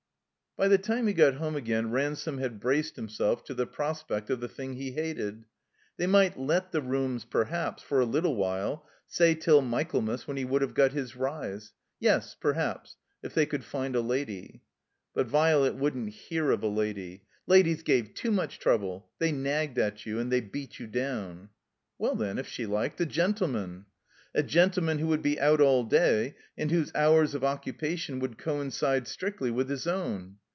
By the time he got home again Ransome had braced himself to the prospect of the thing he hated. They might let the rooms, perhaps, for a little while, say, till Michaelmas when he would have got his rise. Yes, perhaps; if they could find a lady. But Violet wouldn't hear of a lady. Ladies gave too much trouble ; they nagged at you, and they beat you down. Well, then, if she liked, a gentleman. A gentle man who would be out all day, and whose hours of occupation would coincide strictly with his own.